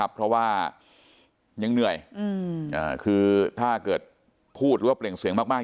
เพราะว่ายังเหนื่อยคือถ้าเกิดพูดหรือว่าเปล่งเสียงมาก